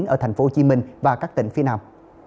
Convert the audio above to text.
ở thành phố hồ chí minh và các tỉnh phía nam